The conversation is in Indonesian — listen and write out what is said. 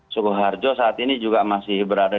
sukoharjo saat ini juga masih berada